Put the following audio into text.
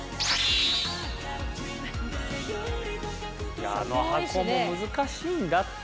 いやあの箱も難しいんだって。